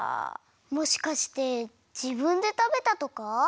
もしかしてじぶんでたべたとか？